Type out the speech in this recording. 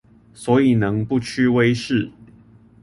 所以能不屈威勢